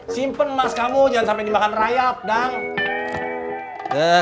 simpen emas kamu jangan sampai dimakan rayab dang